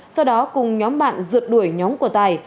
sau đó cùng nhóm bạn rượt đuổi nhóm của tài